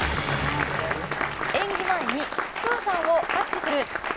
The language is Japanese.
演技前にプーさんをタッチする。